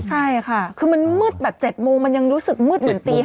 ใช่ค่ะคือมันมืดแบบ๗โมงมันยังรู้สึกมืดเหมือนตี๕